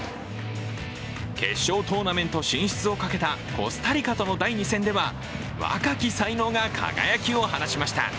決勝トーナメント進出をかけたコスタリカとの第２戦では若き才能が輝きを放ちました。